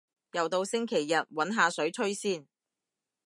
又到星期日，搵下水吹先